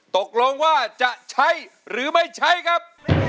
ตกลงว่าจะใช้หรือไม่ใช้ครับ